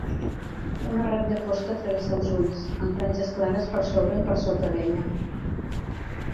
Una ratlla fosca travessa els ulls, amb franges clares per sobre i per sota d'ella.